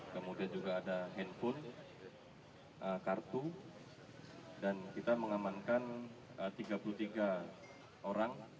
kemudian juga ada handphone kartu dan kita mengamankan tiga puluh tiga orang